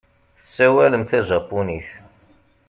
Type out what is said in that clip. Tessawalem tajapunit.